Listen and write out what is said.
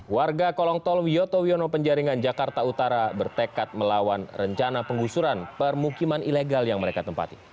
warga kolong tol wiyoto wiono penjaringan jakarta utara bertekad melawan rencana penggusuran permukiman ilegal yang mereka tempati